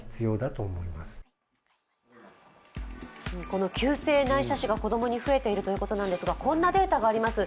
この急性内斜視が子供に増えているということなんですが、こんなデータがあります。